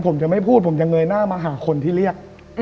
ผมจะไม่พูดผมจะเงยหน้ามาหาคนที่เรียก